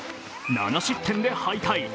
７失点で敗退。